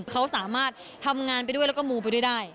เขาสามารถทำงานไปด้วยแล้วก็มูไปด้วยได้